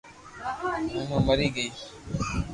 ھين او مري گئي